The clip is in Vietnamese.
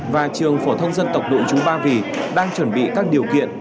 và trường phổ thông dân tộc nội chú ba vì đang chuẩn bị các điều kiện